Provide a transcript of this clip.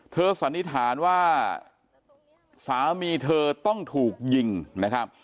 สันนิษฐานว่าสามีเธอต้องถูกยิงนะครับ